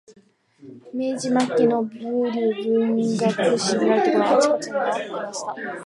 明治末期の風流文学史になるところが、あちらこちらに残っておりました